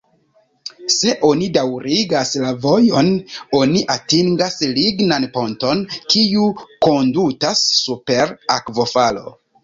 Se oni daŭrigas la vojon oni atingas lignan ponton, kiu kondutas super akvofalo.